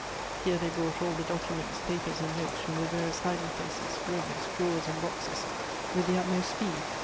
Here they brought all the documents, papers, and notes from their various hiding places, rooms, drawers, and boxes, with the utmost speed.